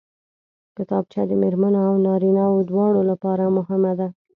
کتابچه د مېرمنو او نارینوو دواړو لپاره مهمه ده